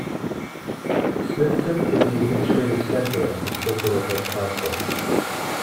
Smithton is the administrative centre of the Circular Head Council.